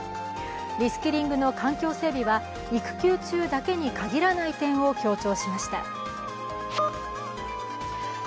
リスキリングの環境整備は育休中だけに限らない点を強調しました。